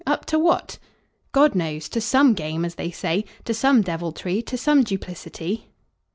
Up to what?" "God knows. To some 'game,' as they say. To some deviltry. To some duplicity."